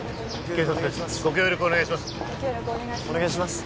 警察ですご協力お願いします